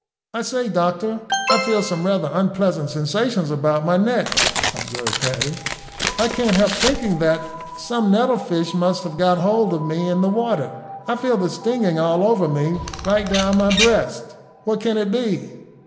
"I say, doctor, I feel some rather unpleasant sensations about my neck," observed Paddy. "I can't help thinking that some nettle fish must have got hold of me in the water. I feel the stinging all over me, right down my breast. What can it be?"